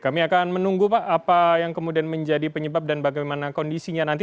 kami akan menunggu pak apa yang kemudian menjadi penyebab dan bagaimana kondisinya nanti